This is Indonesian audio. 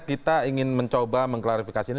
kita ingin mencoba mengklarifikasi ini